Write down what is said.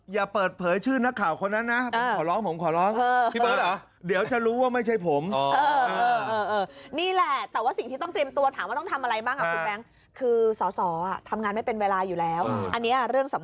อย่าเปิดเผยชื่อนักข่าวคนนั้นนะ